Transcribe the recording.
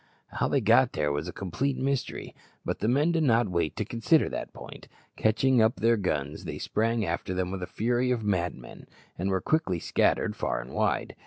How they got there was a complete mystery, but the men did not wait to consider that point. Catching up their guns they sprang after them with the fury of madmen, and were quickly scattered far and wide.